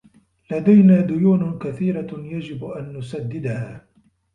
ليدنا ديون كثيرة يجب أن نسدّدها.